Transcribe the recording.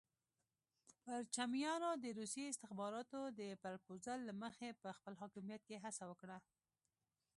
پرچمیانو د روسي استخباراتو د پرپوزل له مخې په خپل حاکمیت کې هڅه وکړه.